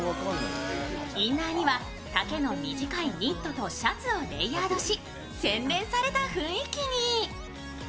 インナーには丈の短いニットとシャツをレイヤードし洗練された雰囲気に。